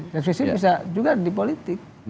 satu sisi bisa juga di politik